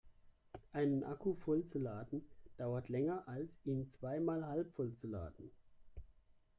Einen Akku voll zu laden dauert länger als ihn zweimal halbvoll zu laden.